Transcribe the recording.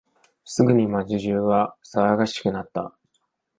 すぐに街中は騒がしくなった。